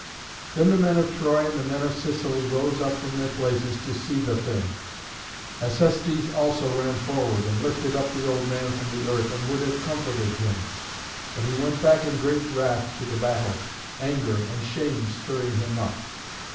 Then the men of Troy and the men of Sicily rose up from their places to see the thing; Acestes also ran forward and lifted up the old man from the earth and would have comforted him. But he went back in great wrath to the battle, anger and shame stirring him up.